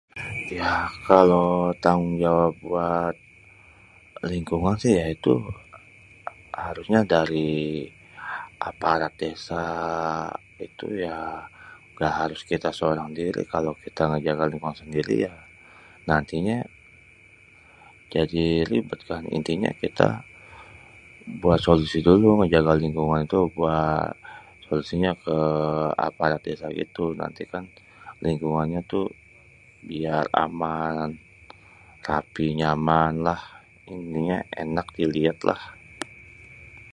Ya kalau tanggung jawab buat lingkungan si ya.. itu harusnya dari aparat desa itu ya gak harus kita seorang diri kalau kita jaga lingungan sendirian yaa..nah artinye jadi ribet kan intinye kite buat solusi dulu ngejaga lingkungan itu solusinya keparat desa itu nanti kan lingkungannya tuh biar aman, rapih, nyamanlah intinya enak diliat lah.